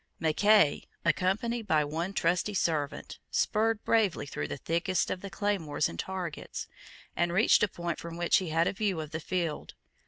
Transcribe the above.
Mackay, accompanied by one trusty servant, spurred bravely through the thickest of the claymores and targets, and reached a point from which he had a view of the field.